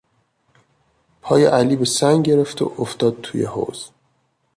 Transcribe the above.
پای علی به سنگ گرفت و افتاد توی حوض.